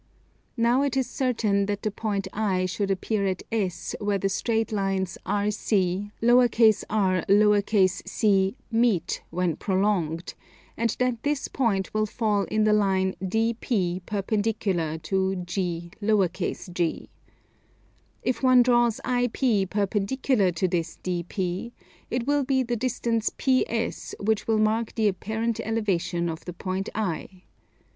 Now it is certain that the point I should appear at S where the straight lines RC, rc, meet when prolonged; and that this point will fall in the line DP perpendicular to G_g_. If one draws IP perpendicular to this DP, it will be the distance PS which will mark the apparent elevation of the point I.